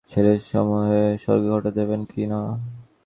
ছেলে হয়ে স্বর্গে ঘণ্টা দেবেন কি না?